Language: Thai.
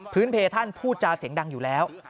เพท่านพูดจาเสียงดังอยู่แล้ว